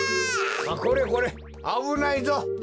これこれあぶないぞ！